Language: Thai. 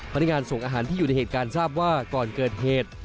พนักงานส่งอาหารที่อยู่ในเหตุการณ์ทราบว่าก่อนเกิดเหตุ